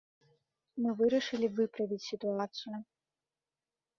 Мы вырашылі выправіць сітуацыю.